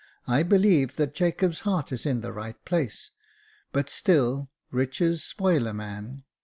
I believe that Jacob's heart is in the right place ; but still, riches spoil a man.